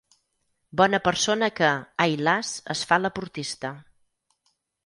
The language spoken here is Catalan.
Bona persona que, ai las, es fa laportista.